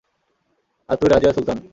আর তুই রাজিয়া সুলতান!